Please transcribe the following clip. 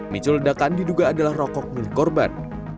micu ledakan diduga adalah rokok milik korban